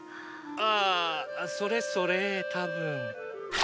あああそれそれたぶん。